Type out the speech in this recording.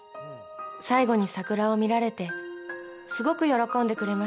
最後に桜を見られてすごく喜んでくれました。